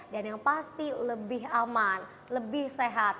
dan yang pasti lebih aman lebih sehat